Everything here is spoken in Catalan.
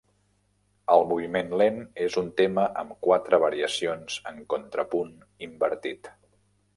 El moviment lent és un tema amb quatre variacions en contrapunt invertit.